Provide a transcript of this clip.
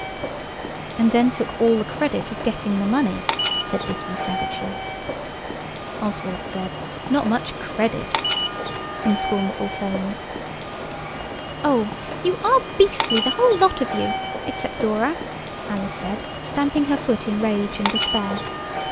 "And then took all the credit of getting the money," said Dicky savagely. Oswald said, "Not much credit," in scornful tones. "Oh, you are beastly, the whole lot of you, except Dora!" Alice said, stamping her foot in rage and despair.